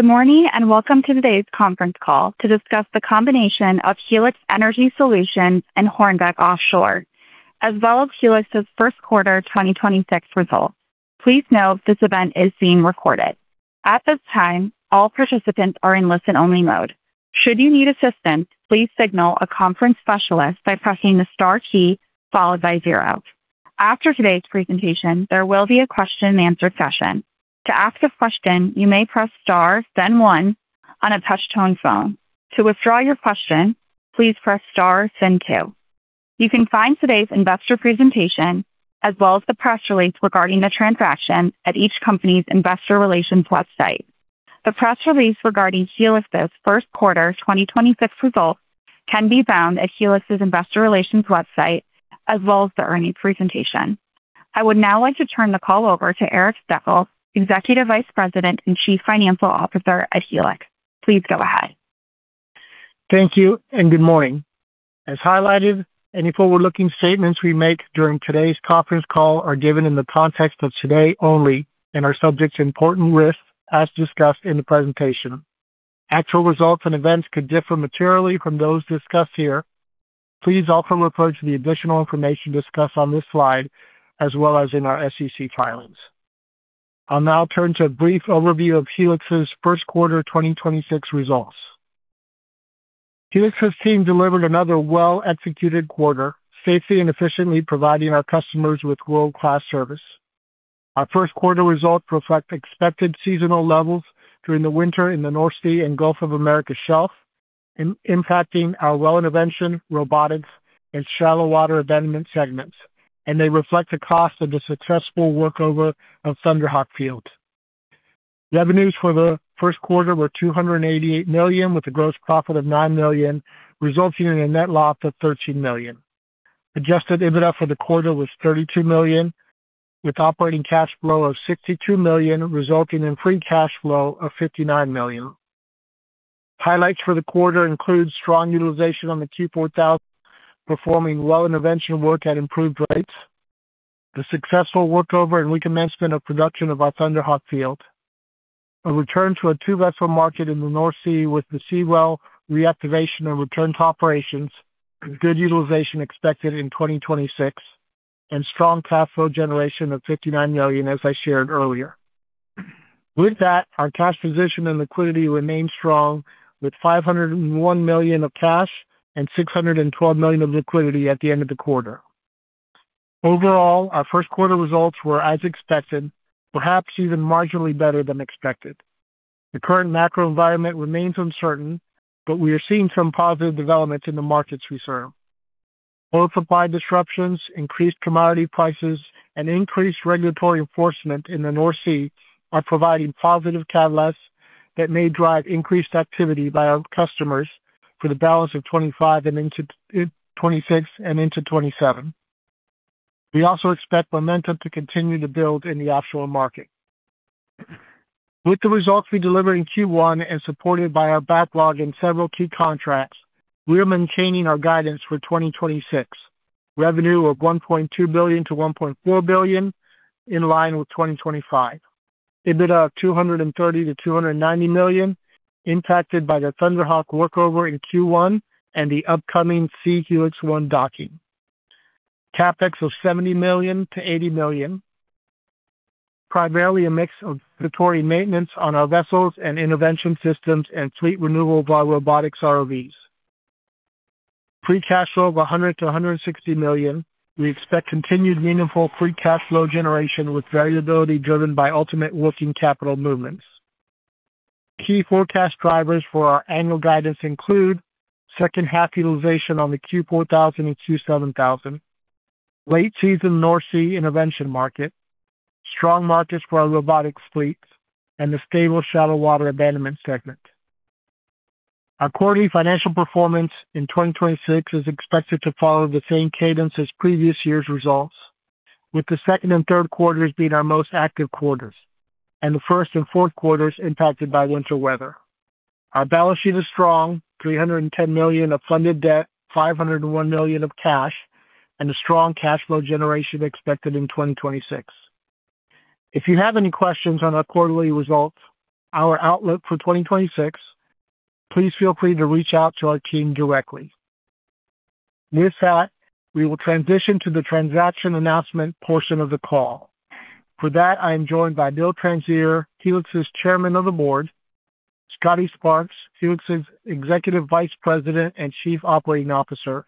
Good morning, and welcome to today's conference call to discuss the combination of Helix Energy Solutions and Hornbeck Offshore, as well as Helix's first quarter 2026 results. Please note this event is being recorded. At this time, all participants are in listen-only mode. Should you need assistance, please signal a conference specialist by pressing the star key followed by zero. After today's presentation, there will be a question-and-answer session. To ask a question, you may press star then one on a touch-tone phone. To withdraw your question, please press star then two. You can find today's investor presentation, as well as the press release regarding the transaction, at each company's Investor Relations website. The press release regarding Helix's first quarter 2026 results can be found at Helix's Investor Relations website as well as the earnings presentation. I would now like to turn the call over to Erik Staffeldt, Executive Vice President and Chief Financial Officer at Helix. Please go ahead. Thank you and good morning. As highlighted, any forward-looking statements we make during today's conference call are given in the context of today only and are subject to important risks as discussed in the presentation. Actual results and events could differ materially from those discussed here. Please also refer to the additional information discussed on this slide as well as in our SEC filings. I'll now turn to a brief overview of Helix's first quarter 2026 results. Helix's team delivered another well-executed quarter, safely and efficiently providing our customers with world-class service. Our first quarter results reflect expected seasonal levels during the winter in the North Sea and Gulf of Mexico shelf, impacting our well intervention, robotics, and shallow water abandonment segments, and they reflect the cost of the successful workover of Thunder Hawk Field. Revenues for the first quarter were $288 million, with a gross profit of $9 million, resulting in a net loss of $13 million. Adjusted EBITDA for the quarter was $32 million, with operating cash flow of $62 million, resulting in free cash flow of $59 million. Highlights for the quarter include strong utilization on the Q4000, performing well intervention work at improved rates, the successful workover and recommencement of production of our Thunder Hawk field, a return to a two-vessel market in the North Sea with the Seawell reactivation and return to operations with good utilization expected in 2026, and strong cash flow generation of $59 million as I shared earlier. With that, our cash position and liquidity remain strong with $501 million of cash and $612 million of liquidity at the end of the quarter. Overall, our first quarter results were as expected, perhaps even marginally better than expected. The current macro environment remains uncertain, but we are seeing some positive developments in the markets we serve. Oil supply disruptions, increased commodity prices, and increased regulatory enforcement in the North Sea are providing positive catalysts that may drive increased activity by our customers for the balance of 2025 and into 2026 and into 2027. We also expect momentum to continue to build in the offshore market. With the results we delivered in Q1 and supported by our backlog and several key contracts, we are maintaining our guidance for 2026. Revenue of $1.2 billion-$1.4 billion, in line with 2025. EBITDA of $230 million-$290 million, impacted by the Thunder Hawk workover in Q1 and the upcoming Siem Helix 1 docking. CapEx of $70 million-$80 million, primarily a mix of mandatory maintenance on our vessels and intervention systems and fleet renewal of our robotics ROVs. Free cash flow of $100 million-$160 million. We expect continued meaningful free cash flow generation with variability driven by ultimate working capital movements. Key forecast drivers for our annual guidance include second half utilization on the Q4000 and Q7000, late season North Sea intervention market, strong markets for our robotics fleets, and a stable shallow water abandonment segment. Our quarterly financial performance in 2026 is expected to follow the same cadence as previous year's results, with the second and third quarters being our most active quarters and the first and fourth quarters impacted by winter weather. Our balance sheet is strong, $310 million of funded debt, $501 million of cash, and a strong cash flow generation expected in 2026. If you have any questions on our quarterly results, our outlook for 2026, please feel free to reach out to our team directly. With that, we will transition to the transaction announcement portion of the call. For that, I am joined by Bill Transier, Helix's Chairman of the Board, Scotty Sparks, Helix's Executive Vice President and Chief Operating Officer,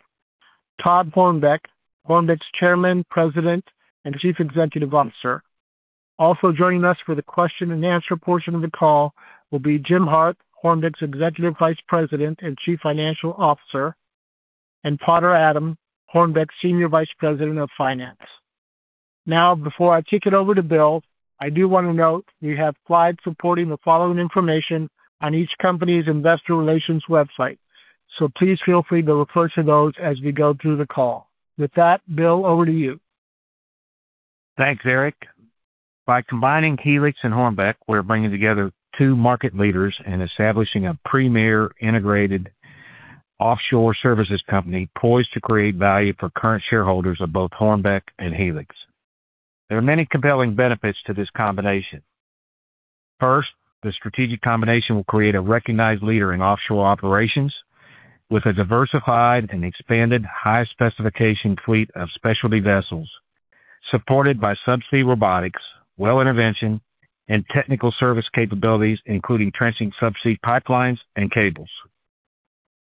Todd Hornbeck, Hornbeck's Chairman, President, and Chief Executive Officer. Also joining us for the question-and-answer portion of the call will be Jim Harp, Hornbeck's Executive Vice President and Chief Financial Officer, and Potter Adams, Hornbeck's Senior Vice President of Finance. Now, before I kick it over to Bill, I do want to note we have slides supporting the following information on each company's Investor Relations website. Please feel free to refer to those as we go through the call. With that, Bill, over to you. Thanks, Erik. By combining Helix and Hornbeck, we're bringing together two market leaders and establishing a premier integrated offshore services company poised to create value for current shareholders of both Hornbeck and Helix. There are many compelling benefits to this combination. First, the strategic combination will create a recognized leader in offshore operations with a diversified and expanded high-specification fleet of specialty vessels supported by subsea robotics, well intervention, and technical service capabilities, including trenching subsea pipelines and cables.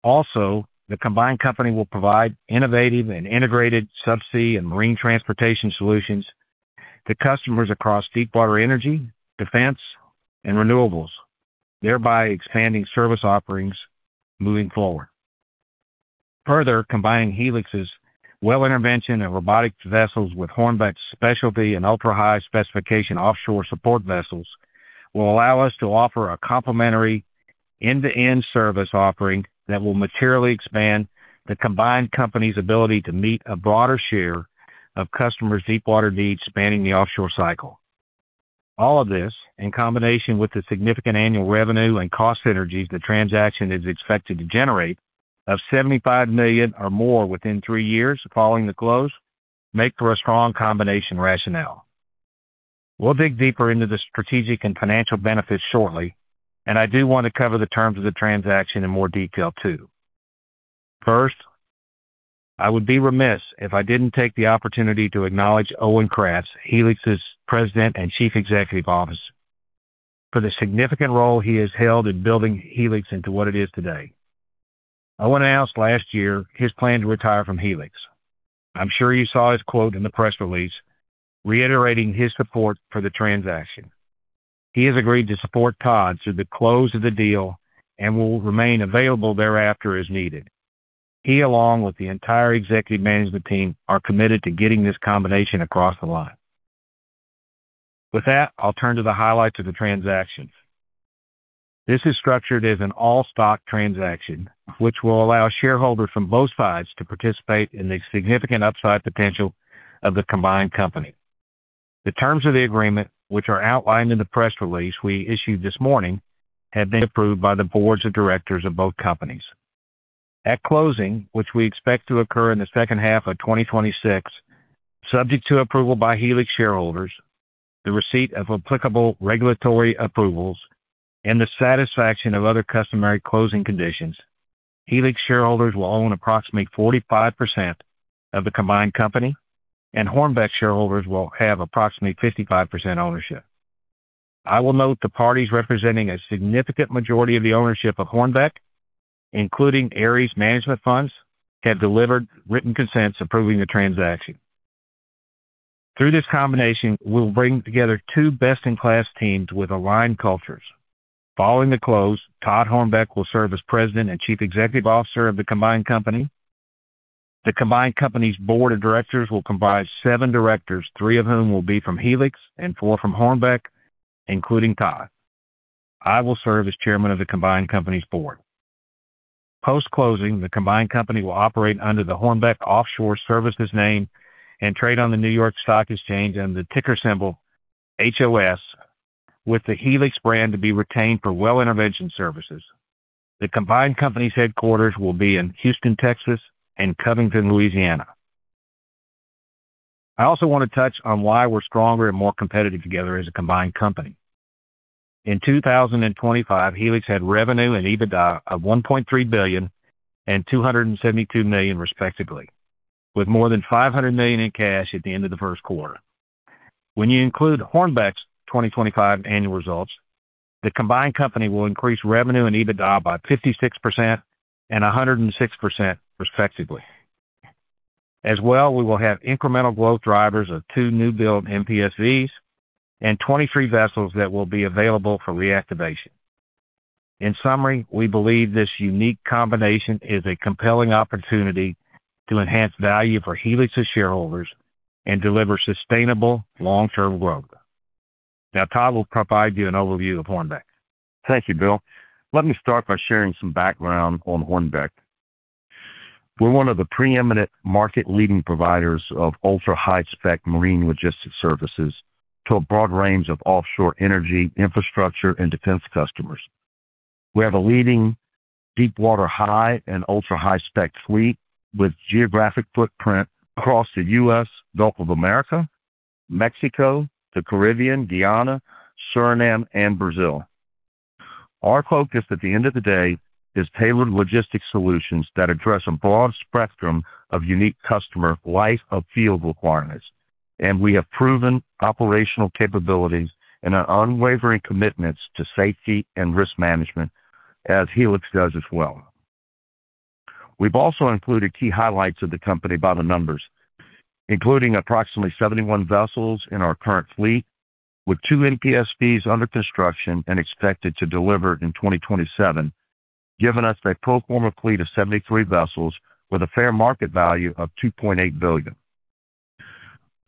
Also, the combined company will provide innovative and integrated subsea and marine transportation solutions to customers across deepwater energy, defense, and renewables, thereby expanding service offerings moving forward. Further, combining Helix's well intervention and robotics vessels with Hornbeck's specialty and ultra-high specification offshore support vessels will allow us to offer a complementary end-to-end service offering that will materially expand the combined company's ability to meet a broader share of customers' deepwater needs spanning the offshore cycle. All of this, in combination with the significant annual revenue and cost synergies the transaction is expected to generate of $75 million or more within three years following the close, make for a strong combination rationale. We'll dig deeper into the strategic and financial benefits shortly, and I do want to cover the terms of the transaction in more detail too. First, I would be remiss if I didn't take the opportunity to acknowledge Owen Kratz, Helix's President and Chief Executive Officer, for the significant role he has held in building Helix into what it is today. Owen announced last year his plan to retire from Helix. I'm sure you saw his quote in the press release reiterating his support for the transaction. He has agreed to support Todd through the close of the deal and will remain available thereafter as needed. He, along with the entire executive management team, are committed to getting this combination across the line. With that, I'll turn to the highlights of the transaction. This is structured as an all-stock transaction, which will allow shareholders from both sides to participate in the significant upside potential of the combined company. The terms of the agreement, which are outlined in the press release we issued this morning, have been approved by the boards of directors of both companies. At closing, which we expect to occur in the second half of 2026, subject to approval by Helix shareholders, the receipt of applicable regulatory approvals, and the satisfaction of other customary closing conditions, Helix shareholders will own approximately 45% of the combined company, and Hornbeck shareholders will have approximately 55% ownership. I will note the parties representing a significant majority of the ownership of Hornbeck, including Ares Management funds, have delivered written consents approving the transaction. Through this combination, we'll bring together two best-in-class teams with aligned cultures. Following the close, Todd Hornbeck will serve as President and Chief Executive Officer of the combined company. The combined company's board of directors will comprise seven directors, three of whom will be from Helix and four from Hornbeck, including Todd. I will serve as Chairman of the combined company's board. Post-closing, the combined company will operate under the Hornbeck Offshore Services name and trade on the New York Stock Exchange under the ticker symbol HOS, with the Helix brand to be retained for well intervention services. The combined company's headquarters will be in Houston, Texas, and Covington, Louisiana. I also want to touch on why we're stronger and more competitive together as a combined company. In 2025, Helix had revenue and EBITDA of $1.3 billion and $272 million respectively, with more than $500 million in cash at the end of the first quarter. When you include Hornbeck's 2025 annual results, the combined company will increase revenue and EBITDA by 56% and 106% respectively. As well, we will have incremental growth drivers of 2 new build MPSVs and 23 vessels that will be available for reactivation. In summary, we believe this unique combination is a compelling opportunity to enhance value for Helix's shareholders and deliver sustainable long-term growth. Now Todd will provide you an overview of Hornbeck. Thank you, Bill. Let me start by sharing some background on Hornbeck. We're one of the preeminent market leading providers of ultra-high spec marine logistics services to a broad range of offshore energy, infrastructure, and defense customers. We have a leading deepwater high and ultra-high spec fleet with geographic footprint across the U.S., Gulf of Mexico, the Caribbean, Guyana, Suriname, and Brazil. Our focus at the end of the day is tailored logistics solutions that address a broad spectrum of unique customer life of field requirements, and we have proven operational capabilities and an unwavering commitments to safety and risk management as Helix does as well. We've also included key highlights of the company by the numbers, including approximately 71 vessels in our current fleet, with 2 MPSVs under construction and expected to deliver in 2027, giving us a pro forma fleet of 73 vessels with a fair market value of $2.8 billion.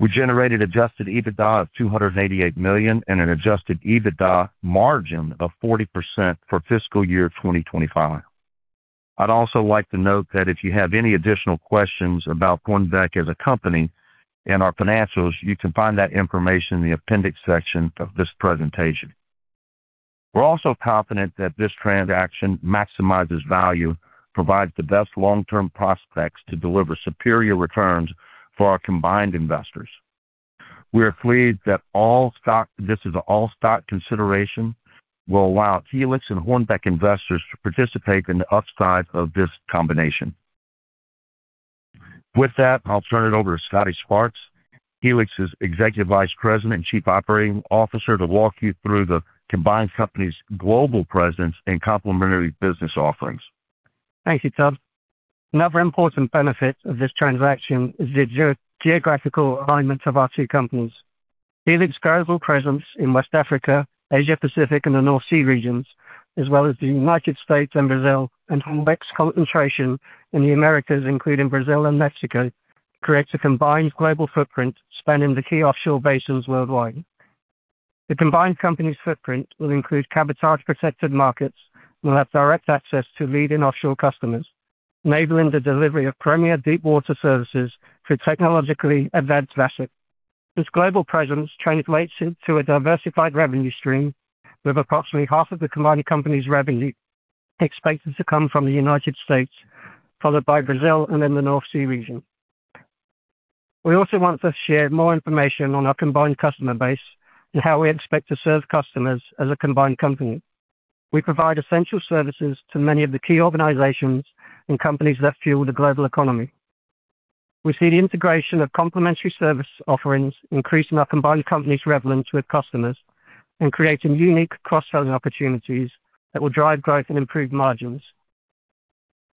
We generated adjusted EBITDA of $288 million and an adjusted EBITDA margin of 40% for fiscal year 2025. I'd also like to note that if you have any additional questions about Hornbeck as a company and our financials, you can find that information in the appendix section of this presentation. We're also confident that this transaction maximizes value, provides the best long-term prospects to deliver superior returns for our combined investors. We are pleased that this is an all-stock consideration will allow Helix and Hornbeck investors to participate in the upside of this combination. With that, I'll turn it over to Scotty Sparks, Helix's Executive Vice President and Chief Operating Officer, to walk you through the combined company's global presence and complementary business offerings. Thank you, Todd. Another important benefit of this transaction is the geographical alignment of our two companies. Helix's global presence in West Africa, Asia Pacific, and the North Sea regions, as well as the United States and Brazil, and Hornbeck's concentration in the Americas, including Brazil and Mexico, creates a combined global footprint spanning the key offshore basins worldwide. The combined company's footprint will include cabotage-protected markets and will have direct access to leading offshore customers, enabling the delivery of premier deepwater services through technologically advanced assets. This global presence translates into a diversified revenue stream, with approximately half of the combined company's revenue expected to come from the United States, followed by Brazil and then the North Sea region. We also want to share more information on our combined customer base and how we expect to serve customers as a combined company. We provide essential services to many of the key organizations and companies that fuel the global economy. We see the integration of complementary service offerings increasing our combined company's relevance with customers and creating unique cross-selling opportunities that will drive growth and improve margins.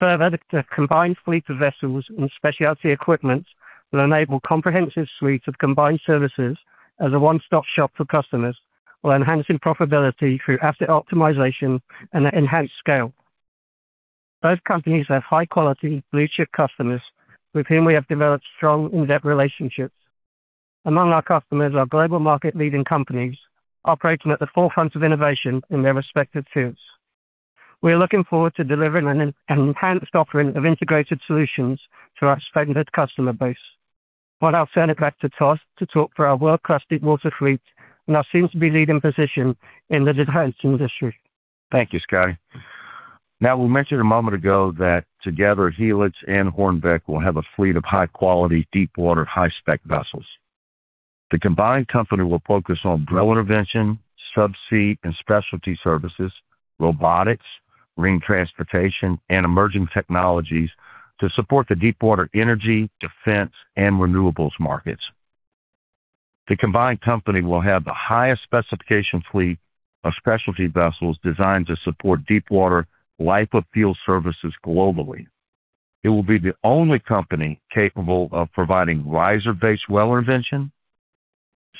Further, the combined fleet of vessels and specialty equipment will enable comprehensive suites of combined services as a one-stop shop for customers, while enhancing profitability through asset optimization and enhanced scale. Both companies have high-quality, blue-chip customers with whom we have developed strong, in-depth relationships. Among our customers are global market-leading companies operating at the forefront of innovation in their respective fields. We are looking forward to delivering an enhanced offering of integrated solutions to our expanded customer base. Well, I'll turn it back to Todd to talk for our world-class deepwater fleet and our soon-to-be leading position in the defense industry. Thank you, Scotty. Now, we mentioned a moment ago that together, Helix and Hornbeck will have a fleet of high-quality, deepwater, high-spec vessels. The combined company will focus on well intervention, subsea and specialty services, robotics, marine transportation, and emerging technologies to support the deepwater energy, defense, and renewables markets. The combined company will have the highest specification fleet of specialty vessels designed to support deepwater life-of-field services globally. It will be the only company capable of providing riser-based well intervention,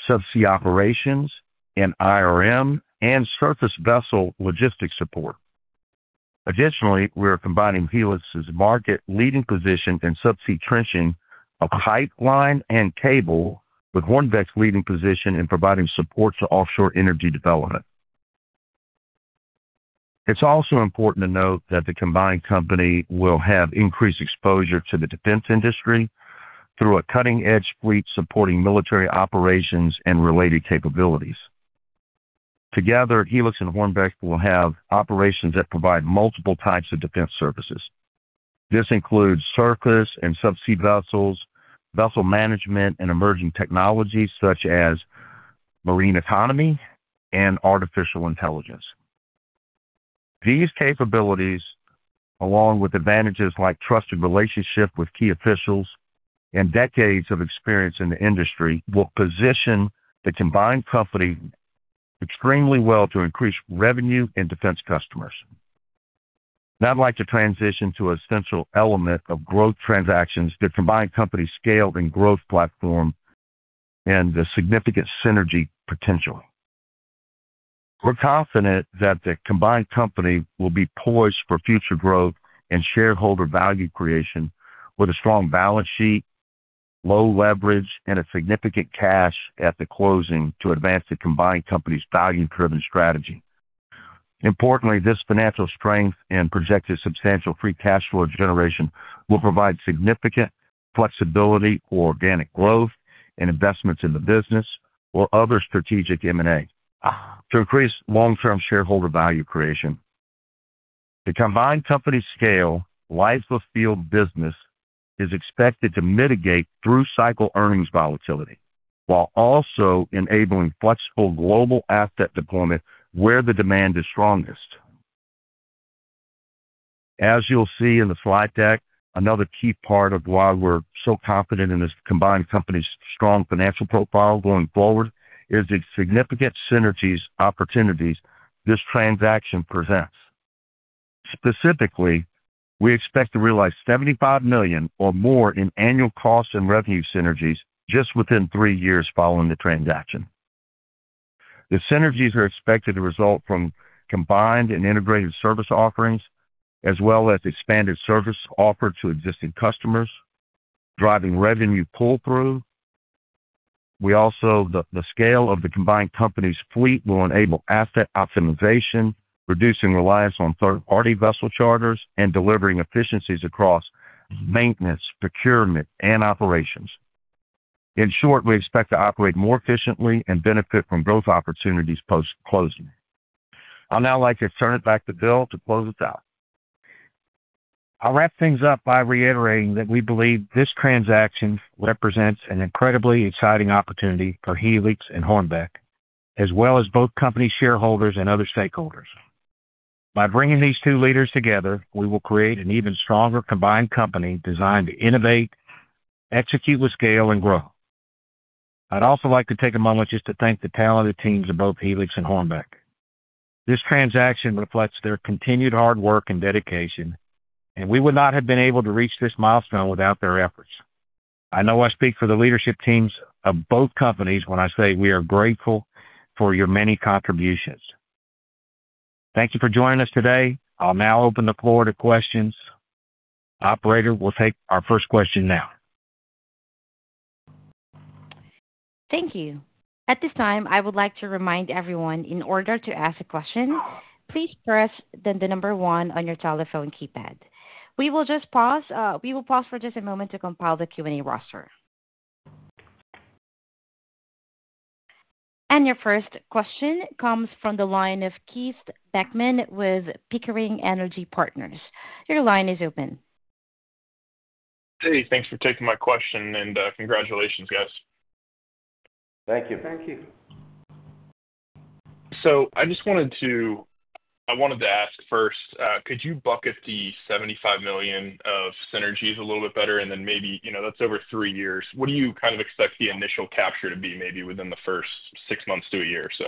subsea operations, and IRM and surface vessel logistics support. Additionally, we are combining Helix's market-leading position in subsea trenching of pipeline and cable with Hornbeck's leading position in providing support to offshore energy development. It's also important to note that the combined company will have increased exposure to the defense industry through a cutting-edge fleet supporting military operations and related capabilities. Together, Helix and Hornbeck will have operations that provide multiple types of diverse services. This includes surface and subsea vessels, vessel management, and emerging technologies such as marine autonomy and artificial intelligence. These capabilities, along with advantages like trusted relationship with key officials and decades of experience in the industry, will position the combined company extremely well to increase revenue and diverse customers. Now I'd like to transition to an essential element of growth transactions, the combined company scale and growth platform, and the significant synergy potential. We're confident that the combined company will be poised for future growth and shareholder value creation with a strong balance sheet, low leverage, and a significant cash at the closing to advance the combined company's value-driven strategy. Importantly, this financial strength and projected substantial free cash flow generation will provide significant flexibility for organic growth and investments in the business or other strategic M&A to increase long-term shareholder value creation. The combined company scale life-of-field business is expected to mitigate through cycle earnings volatility, while also enabling flexible global asset deployment where the demand is strongest. As you'll see in the slide deck, another key part of why we're so confident in this combined company's strong financial profile going forward is the significant synergies opportunities this transaction presents. Specifically, we expect to realize $75 million or more in annual cost and revenue synergies just within three years following the transaction. The synergies are expected to result from combined and integrated service offerings, as well as expanded service offered to existing customers, driving revenue pull-through. The scale of the combined company's fleet will enable asset optimization, reducing reliance on third-party vessel charters, and delivering efficiencies across maintenance, procurement, and operations. In short, we expect to operate more efficiently and benefit from growth opportunities post-closing. I'd now like to turn it back to Bill to close us out. I'll wrap things up by reiterating that we believe this transaction represents an incredibly exciting opportunity for Helix and Hornbeck, as well as both company shareholders and other stakeholders. By bringing these two leaders together, we will create an even stronger combined company designed to innovate, execute with scale, and grow. I'd also like to take a moment just to thank the talented teams of both Helix and Hornbeck. This transaction reflects their continued hard work and dedication, and we would not have been able to reach this milestone without their efforts. I know I speak for the leadership teams of both companies when I say we are grateful for your many contributions. Thank you for joining us today. I'll now open the floor to questions. Operator, we'll take our first question now. Thank you. At this time, I would like to remind everyone, in order to ask a question, please press the number one on your telephone keypad. We will pause for just a moment to compile the Q&A roster. Your first question comes from the line of Keith Beckmann with Pickering Energy Partners. Your line is open. Hey, thanks for taking my question, and congratulations, guys. Thank you. Thank you. I just wanted to ask first, could you bucket the $75 million of synergies a little bit better, and then maybe, that's over three years. What do you kind of expect the initial capture to be, maybe within the first six months to a year or so?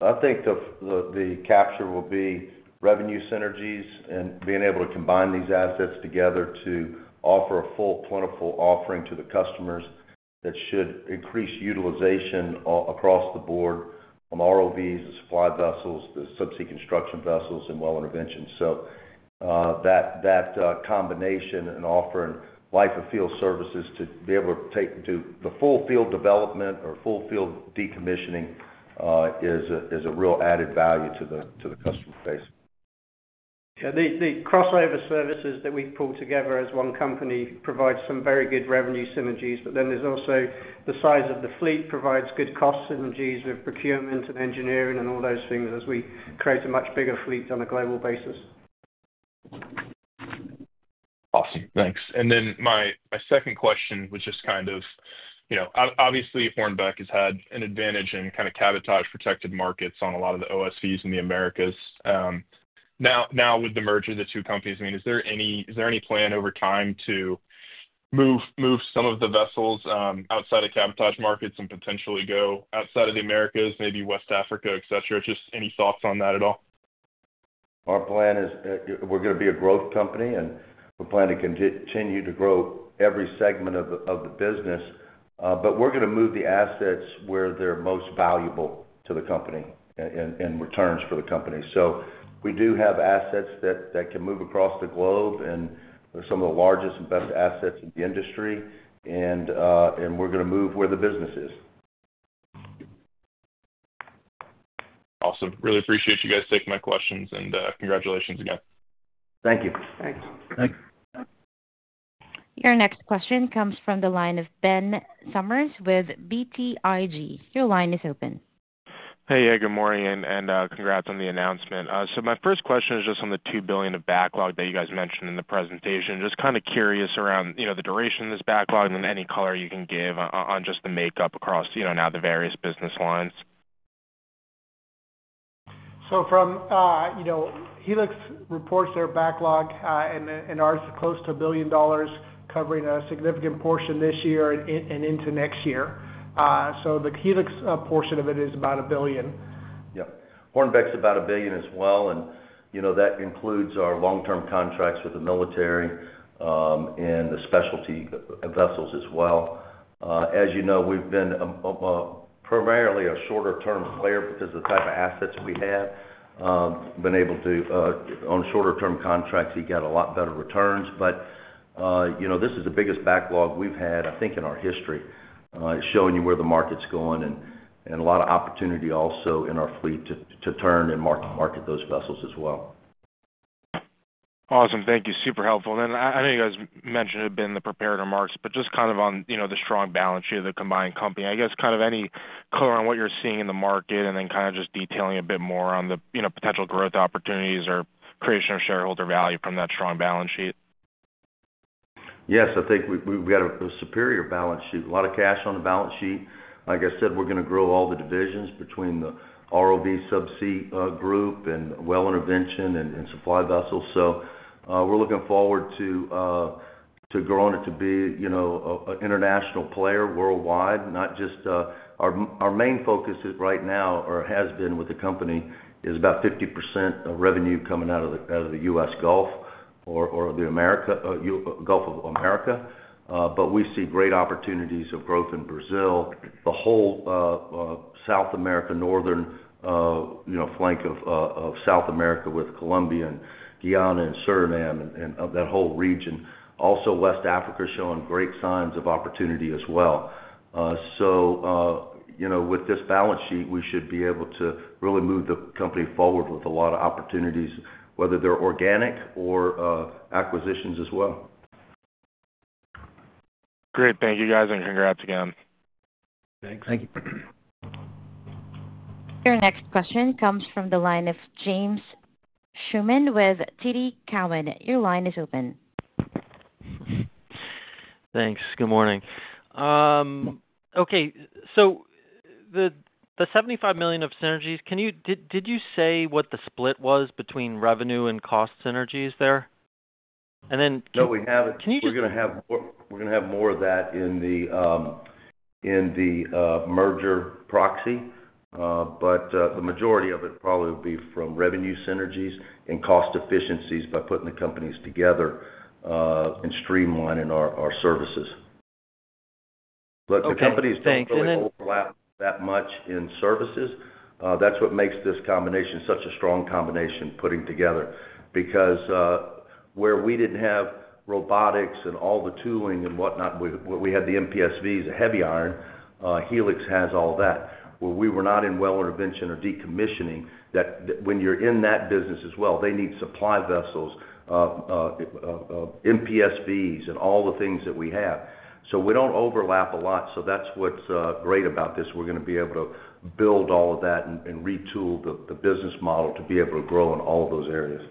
I think the capture will be revenue synergies and being able to combine these assets together to offer a full plentiful offering to the customers that should increase utilization across the board from ROVs to supply vessels to subsea construction vessels and well intervention. That combination and offering life of field services to be able to take to the full field development or full field decommissioning is a real added value to the customer base. Yeah. The crossover services that we pull together as one company provides some very good revenue synergies, but then there's also the size of the fleet provides good cost synergies with procurement and engineering and all those things as we create a much bigger fleet on a global basis. Awesome. Thanks. My second question was just kind of, obviously Hornbeck has had an advantage in kind of cabotage-protected markets on a lot of the OSVs in the Americas. Now with the merger of the two companies, is there any plan over time to move some of the vessels, outside of cabotage markets and potentially go outside of the Americas, maybe West Africa, et cetera? Just any thoughts on that at all? Our plan is we're gonna be a growth company, and we plan to continue to grow every segment of the business. We're gonna move the assets where they're most valuable to the company and returns for the company. We do have assets that can move across the globe, and they're some of the largest and best assets in the industry, and we're gonna move where the business is. Awesome. Really appreciate you guys taking my questions and congratulations again. Thank you. Thanks. Thanks. Your next question comes from the line of Ben Summers with BTIG. Your line is open. Hey. Good morning, and congrats on the announcement. My first question is just on the $2 billion of backlog that you guys mentioned in the presentation. Just kind of curious around the duration of this backlog and any color you can give on just the makeup across now the various business lines. Helix reports their backlog, and ours is close to $1 billion, covering a significant portion this year and into next year. The Helix portion of it is about $1 billion. Yep. Hornbeck's about $1 billion as well, and that includes our long-term contracts with the military, and the specialty vessels as well. As you know, we've been primarily a shorter-term player because the type of assets we have. We've been able to, on shorter-term contracts, you get a lot better returns. This is the biggest backlog we've had, I think, in our history, showing you where the market's going and a lot of opportunity also in our fleet to turn and market those vessels as well. Awesome. Thank you. Super helpful. I know you guys mentioned it in the prepared remarks, but just kind of on the strong balance sheet of the combined company. I guess, kind of any color on what you're seeing in the market, and then kind of just detailing a bit more on the potential growth opportunities or creation of shareholder value from that strong balance sheet. Yes, I think we got a superior balance sheet. A lot of cash on the balance sheet. Like I said, we're gonna grow all the divisions between the ROV subsea group and well intervention and supply vessels. We're looking forward to growing it to be an international player worldwide. Our main focus right now or has been with the company is about 50% of revenue coming out of the U.S. Gulf of Mexico. We see great opportunities of growth in Brazil. The whole South America, northern flank of South America with Colombia and Guyana and Suriname and that whole region. Also, West Africa is showing great signs of opportunity as well. With this balance sheet, we should be able to really move the company forward with a lot of opportunities, whether they're organic or acquisitions as well. Great. Thank you, guys, and congrats again. Thanks. Thank you. Your next question comes from the line of James Schumm with TD Cowen. Your line is open. Thanks. Good morning. Okay, the $75 million of synergies, did you say what the split was between revenue and cost synergies there? And then- No, we haven't. Can you just- We're going to have more of that in the merger proxy, but the majority of it probably will be from revenue synergies and cost efficiencies by putting the companies together, and streamlining our services. Okay, thanks. Then- Look, the companies don't really overlap that much in services. That's what makes this combination such a strong combination putting together, because where we didn't have robotics and all the tooling and whatnot, where we had the MPSVs, the heavy iron, Helix has all that. Where we were not in well intervention or decommissioning, that's when you're in that business as well, they need supply vessels, MPSVs, and all the things that we have. We don't overlap a lot. That's what's great about this. We're gonna be able to build all of that and retool the business model to be able to grow in all of those areas.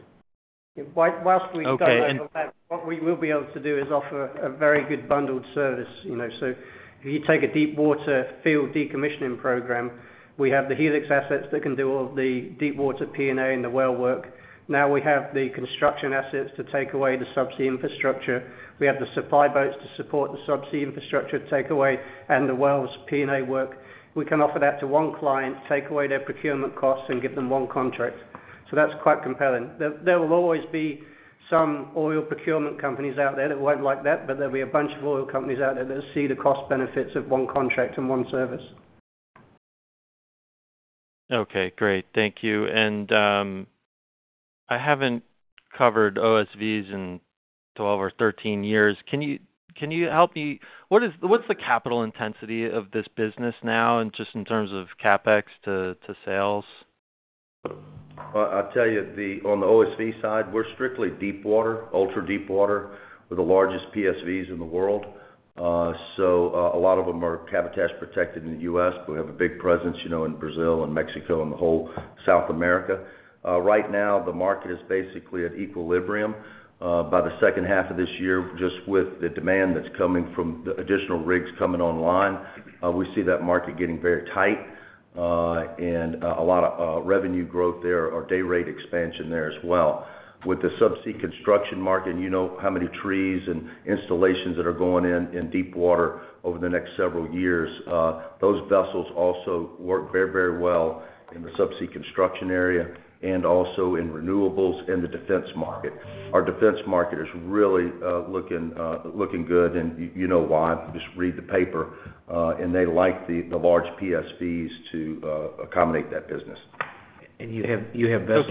Whilst we- Okay. What we will be able to do is offer a very good bundled service. If you take a deep water field decommissioning program, we have the Helix assets that can do all of the deep water P&A and the well work. Now we have the construction assets to take away the subsea infrastructure. We have the supply boats to support the subsea infrastructure takeaway and the wells P&A work. We can offer that to one client, take away their procurement costs, and give them one contract. That's quite compelling. There will always be some oil procurement companies out there that won't like that, but there'll be a bunch of oil companies out there that see the cost benefits of one contract and one service. Okay, great. Thank you. I haven't covered OSVs in 12 or 13 years. Can you help me? What's the capital intensity of this business now and just in terms of CapEx to sales? Well, I'll tell you, on the OSV side, we're strictly deep water, ultra deep water. We're the largest PSVs in the world. A lot of them are CapEx protected in the U.S. We have a big presence, in Brazil and Mexico and the whole South America. Right now, the market is basically at equilibrium. By the second half of this year, just with the demand that's coming from the additional rigs coming online, we see that market getting very tight, and a lot of revenue growth there or day rate expansion there as well. With the subsea construction market and you know how many trees and installations that are going in deep water over the next several years, those vessels also work very well in the subsea construction area and also in renewables in the defense market. Our defense market is really looking good, and you know why. Just read the paper. They like the large PSVs to accommodate that business. You have vessels.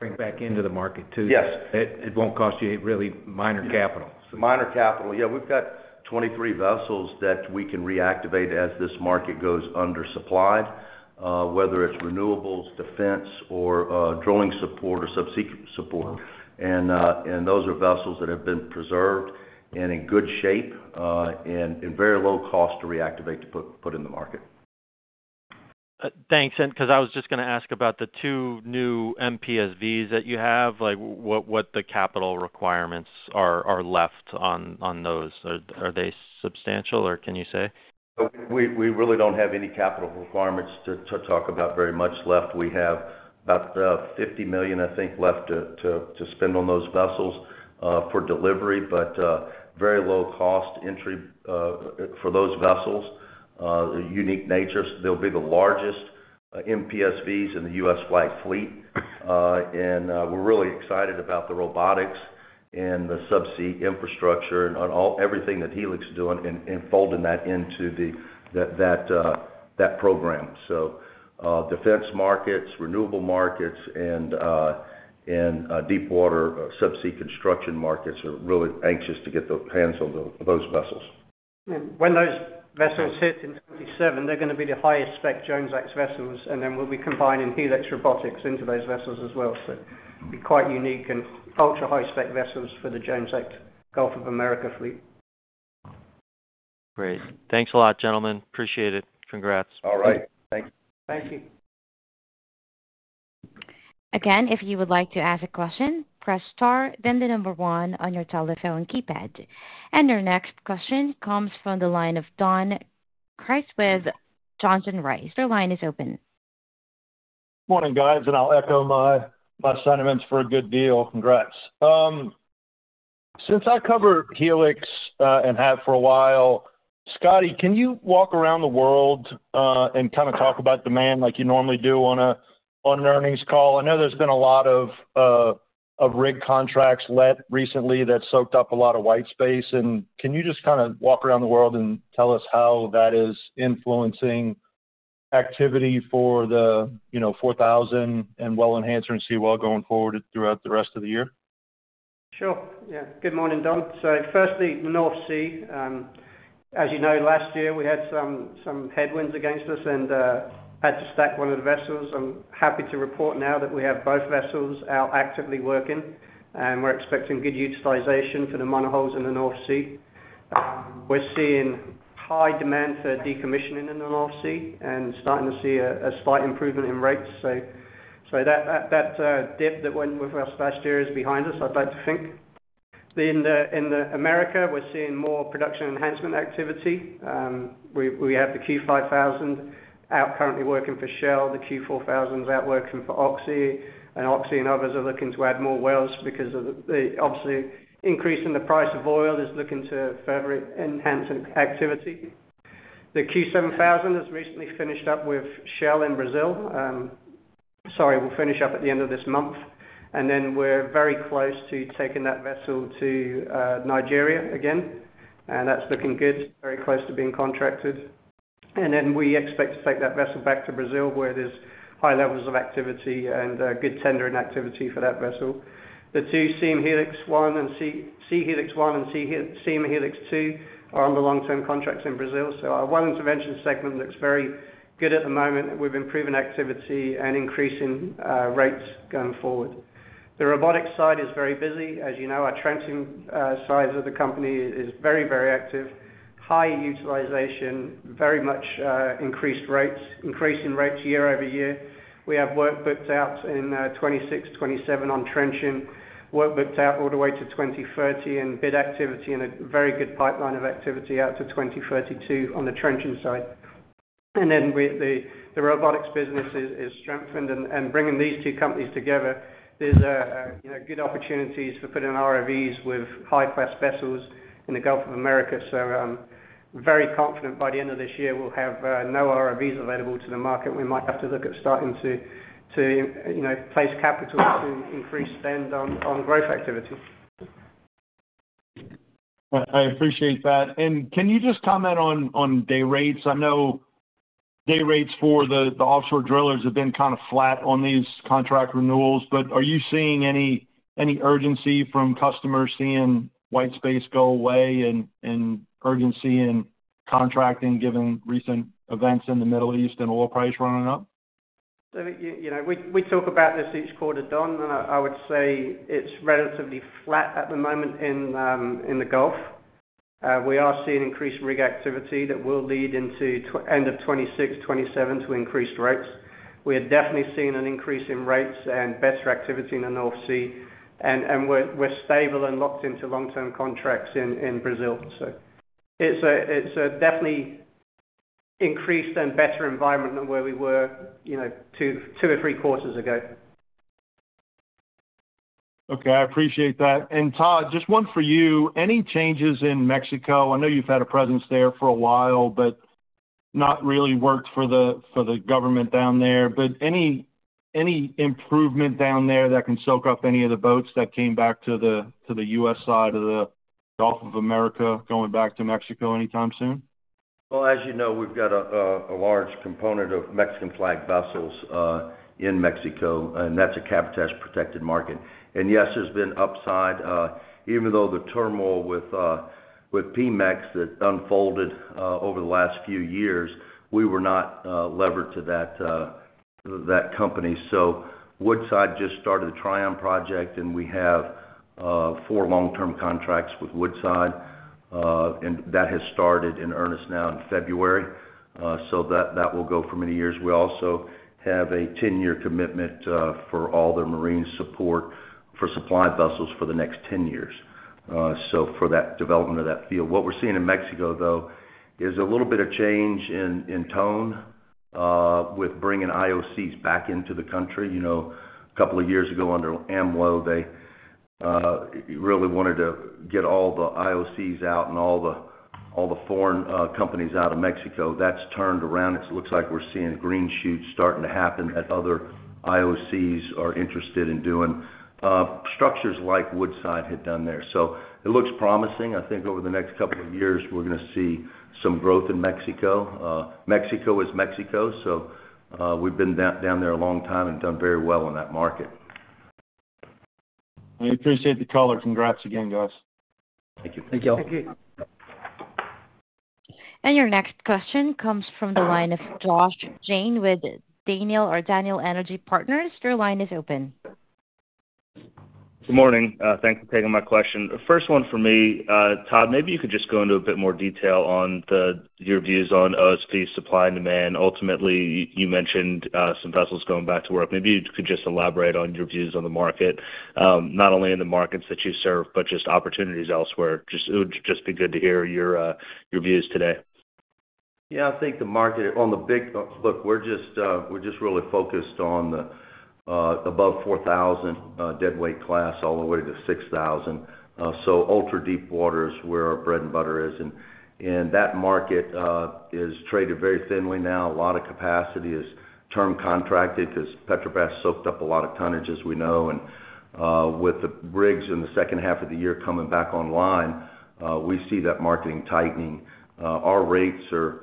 Okay. back into the market too. Yes. It won't cost you really minor capital. It's minor CapEx. Yeah. We've got 23 vessels that we can reactivate as this market goes undersupplied, whether it's renewables, defense, or drilling support or subsea support. Those are vessels that have been preserved and in good shape, and in very low cost to reactivate to put in the market. Thanks. Because I was just gonna ask about the two new MPSVs that you have, like, what the capital requirements are left on those. Are they substantial, or can you say? We really don't have any capital requirements to talk about very much left. We have about $50 million, I think, left to spend on those vessels, for delivery. Very low cost entry for those vessels. Unique nature, they'll be the largest MPSVs in the U.S. flag fleet. We're really excited about the robotics and the subsea infrastructure and on all, everything that Helix is doing and folding that into that program. Defense markets, renewable markets, and deep water subsea construction markets are really anxious to get their hands on those vessels. When those vessels hit in 2027, they're gonna be the highest spec Jones Act vessels, and then we'll be combining Helix Robotics into those vessels as well. It'll be quite unique and ultra-high spec vessels for the Jones Act Gulf of Mexico fleet. Great. Thanks a lot, gentlemen. Appreciate it. Congrats. All right. Thank you. Thank you. Your next question comes from the line of Don Crist with Johnson Rice. Your line is open. Morning, guys, and I'll echo my sentiments for a good deal. Congrats. Since I cover Helix, and have for a while, Scotty, can you walk around the world, and kind of talk about demand like you normally do on an earnings call? I know there's been a lot of rig contracts let recently that soaked up a lot of white space. Can you just kind of walk around the world and tell us how that is influencing activity for the Q4000 and Well Enhancer and Seawell going forward throughout the rest of the year? Sure. Yeah. Good morning, Don. Firstly, North Sea. As you know, last year, we had some headwinds against us and had to stack one of the vessels. I'm happy to report now that we have both vessels out actively working, and we're expecting good utilization for the monohulls in the North Sea. We're seeing high demand for decommissioning in the North Sea and starting to see a slight improvement in rates. That dip that went with last year is behind us, I'd like to think. In the Americas, we're seeing more production enhancement activity. We have the Q5000 out currently working for Shell, the Q4000's out working for Oxy, and Oxy and others are looking to add more wells because of the obvious increase in the price of oil is looking to further enhance activity. The Q7000 has recently finished up with Shell in Brazil. Sorry, will finish up at the end of this month. We're very close to taking that vessel to Nigeria again, and that's looking good, very close to being contracted. We expect to take that vessel back to Brazil where there's high levels of activity and good tendering activity for that vessel. The two, Siem Helix 1 and Siem Helix 2, are on the long-term contracts in Brazil. Our Well Intervention segment looks very good at the moment, and we've been improving activity and increasing rates going forward. The robotics side is very busy. As you know, our trenching side of the company is very, very active. High utilization, very much increased rates, increasing rates year over year. We have work booked out in 2026, 2027 on trenching, work booked out all the way to 2030, and bid activity in a very good pipeline of activity out to 2032 on the trenching side. Then the robotics business is strengthened and bringing these two companies together, there's good opportunities for putting ROVs with high-class vessels in the Gulf of Mexico. I'm very confident by the end of this year, we'll have no ROVs available to the market. We might have to look at starting to place capital to increase spend on growth activity. I appreciate that. Can you just comment on day rates? I know day rates for the offshore drillers have been kind of flat on these contract renewals, but are you seeing any urgency from customers seeing white space go away and urgency in contracting, given recent events in the Middle East and oil price running up? We talk about this each quarter, Don, and I would say it's relatively flat at the moment in the Gulf. We are seeing increased rig activity that will lead into end of 2026, 2027 to increased rates. We are definitely seeing an increase in rates and better activity in the North Sea, and we're stable and locked into long-term contracts in Brazil. It's a definitely increased and better environment than where we were two or three quarters ago. Okay. I appreciate that. Todd, just one for you. Any changes in Mexico? I know you've had a presence there for a while, but not really worked for the government down there. Any improvement down there that can soak up any of the boats that came back to the U.S. side of the Gulf of Mexico going back to Mexico anytime soon? Well, as you know, we've got a large component of Mexican flag vessels, in Mexico, and that's a cabotage protected market. Yes, there's been upside. Even though the turmoil with Pemex that unfolded over the last few years, we were not levered to that company. Woodside just started the Trion project, and we have four long-term contracts with Woodside. That has started in earnest now in February. That will go for many years. We also have a 10-year commitment for all their marine support for supply vessels for the next 10 years, so for that development of that field. What we're seeing in Mexico, though, is a little bit of change in tone, with bringing IOCs back into the country. A couple of years ago under Amlo, they really wanted to get all the IOCs out and all the foreign companies out of Mexico. That's turned around. It looks like we're seeing green shoots starting to happen, and other IOCs are interested in doing structures like Woodside had done there. It looks promising. I think over the next couple of years, we're going to see some growth in Mexico. Mexico is Mexico, so we've been down there a long time and done very well in that market. I appreciate the color. Congrats again, guys. Thank you. Thank you. Thank you. Your next question comes from the line of Josh Jayne with Daniel Energy Partners. Your line is open. Good morning. Thanks for taking my question. First one for me. Todd, maybe you could just go into a bit more detail on your views on OSV supply and demand. Ultimately, you mentioned some vessels going back to work. Maybe you could just elaborate on your views on the market, not only in the markets that you serve, but just opportunities elsewhere. It would just be good to hear your views today. Yeah, I think. Look, we're just really focused on the above 4,000 deadweight class all the way to 6,000. Ultra-deep water is where our bread and butter is, and that market is traded very thinly now. A lot of capacity is term contracted because Petrobras soaked up a lot of tonnage, as we know. With the rigs in the second half of the year coming back online, we see that market tightening. Our rates are,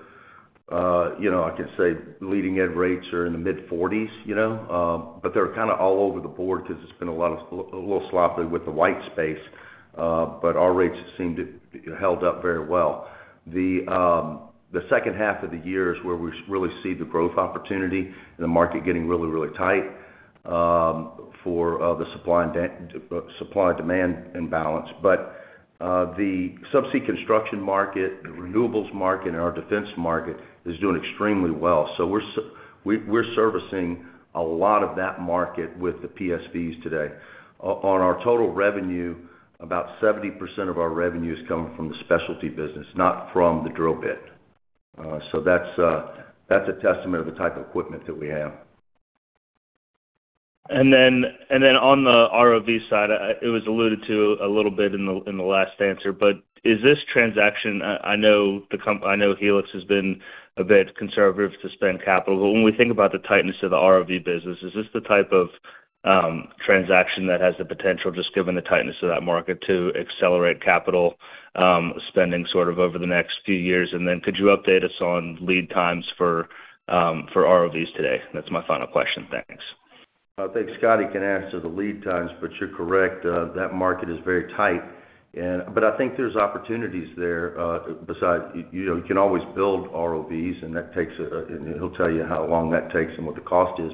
I can say, leading edge rates are in the mid-40s. They're kind of all over the board because it's been a little sloppy with the white space. Our rates have seemed to held up very well. The second half of the year is where we really see the growth opportunity and the market getting really, really tight for the supply and demand imbalance. The subsea construction market, the renewables market, and our defense market is doing extremely well. We're servicing a lot of that market with the PSVs today. On our total revenue, about 70% of our revenue is coming from the specialty business, not from the drill bit. That's a testament of the type of equipment that we have. On the ROV side, it was alluded to a little bit in the last answer. Is this transaction, I know Helix has been a bit conservative to spend capital, but when we think about the tightness of the ROV business, is this the type of transaction that has the potential, just given the tightness of that market, to accelerate capital spending over the next few years? Could you update us on lead times for ROVs today? That's my final question. Thanks. I think Scotty can answer the lead times, but you're correct, that market is very tight. I think there's opportunities there, besides, you can always build ROVs, and he'll tell you how long that takes and what the cost is.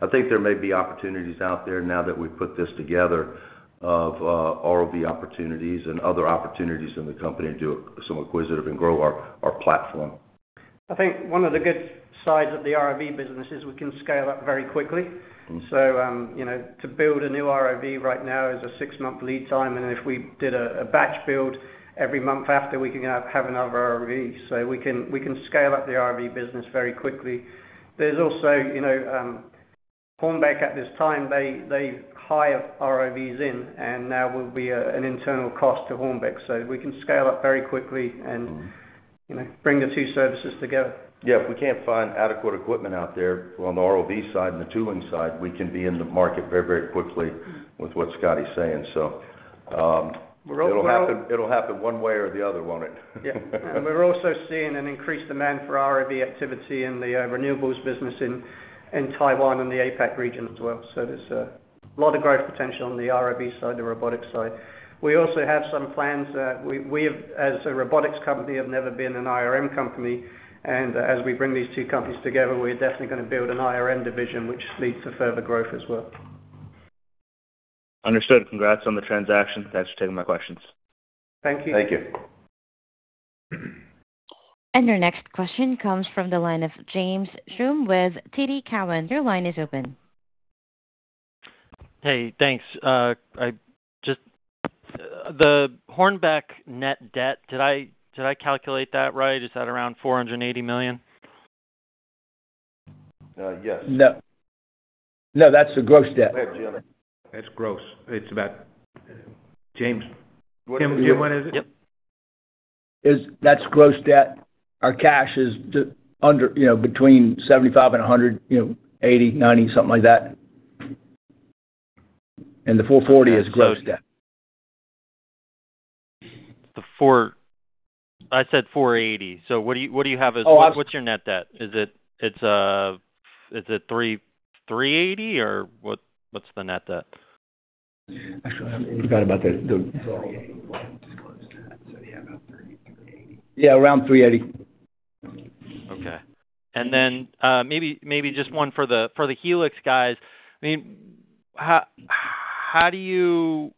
I think there may be opportunities out there now that we've put this together of ROV opportunities and other opportunities in the company to do some acquisitive and grow our platform. I think one of the good sides of the ROV business is we can scale up very quickly. Mm-hmm. To build a new ROV right now is a six-month lead time, and if we did a batch build every month after, we can have another ROV. We can scale up the ROV business very quickly. There's also Hornbeck, at this time they hire ROVs in, and now will be an internal cost to Hornbeck. We can scale up very quickly and Mm-hmm. Bring the two services together. Yeah, if we can't find adequate equipment out there on the ROV side and the tooling side, we can be in the market very quickly with what Scotty's saying. We're well- It'll happen one way or the other, won't it? Yeah. We're also seeing an increased demand for ROV activity in the renewables business in Taiwan and the APAC region as well. There's a lot of growth potential on the ROV side, the robotics side. We also have some plans. We, as a robotics company, have never been an IRM company, and as we bring these two companies together, we're definitely going to build an IRM division, which leads to further growth as well. Understood. Congrats on the transaction. Thanks for taking my questions. Thank you. Thank you. Your next question comes from the line of James Schumm with TD Cowen. Your line is open. Hey, thanks. The Hornbeck net debt, did I calculate that right? Is that around $480 million? Yes. No, that's the gross debt. That's the other. That's gross. It's about James. Jim, what is it? Yep. That's gross debt. Our cash is between $75 and $100, $80, $90, something like that. The 440 is gross debt. I said 480. What do you have as- Oh, I- What's your net debt? Is it $380, or what's the net debt? Actually, I forgot about the- It's all disclosed to that, so yeah, about 380. Yeah, around 380. Okay. Maybe just one for the Helix guys. How do you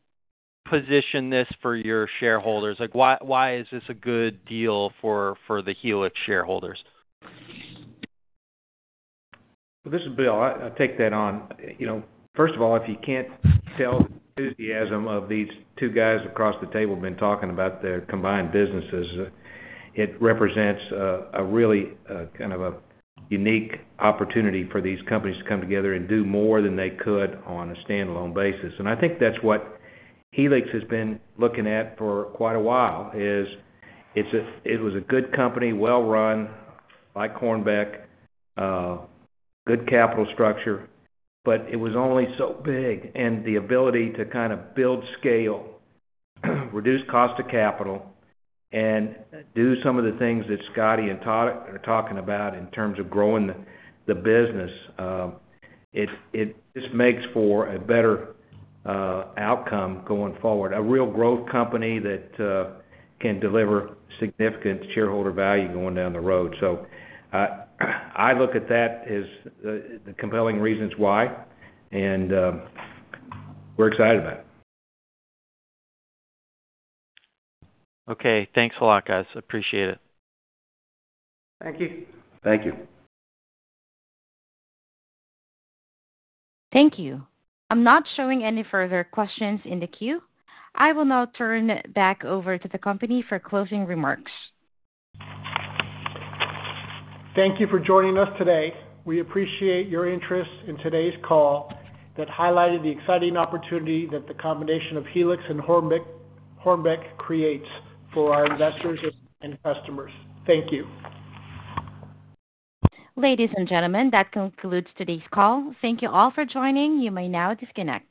position this for your shareholders? Why is this a good deal for the Helix shareholders? This is Bill. I'll take that on. First of all, if you can't tell the enthusiasm of these two guys across the table been talking about their combined businesses, it represents a really kind of a unique opportunity for these companies to come together and do more than they could on a standalone basis. I think that's what Helix has been looking at for quite a while, is it was a good company, well run by Hornbeck, good capital structure, but it was only so big, and the ability to kind of build scale, reduce cost of capital, and do some of the things that Scotty and Todd are talking about in terms of growing the business, it just makes for a better outcome going forward. A real growth company that can deliver significant shareholder value going down the road. I look at that as the compelling reasons why, and we're excited about it. Okay. Thanks a lot, guys. Appreciate it. Thank you. Thank you. Thank you. I'm not showing any further questions in the queue. I will now turn it back over to the company for closing remarks. Thank you for joining us today. We appreciate your interest in today's call that highlighted the exciting opportunity that the combination of Helix and Hornbeck creates for our investors and customers. Thank you. Ladies and gentlemen, that concludes today's call. Thank you all for joining. You may now disconnect.